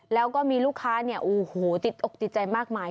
แล้วก็มีลูกค้าเนี่ยโอ้โหติดอกติดใจมากมาย